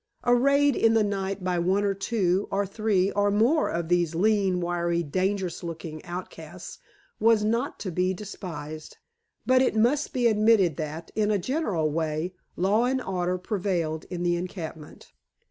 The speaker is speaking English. A raid in the night by one or two, or three, or more of these lean, wiry, dangerous looking outcasts was not to be despised. But it must be admitted that, in a general way, law and order prevailed in the encampment.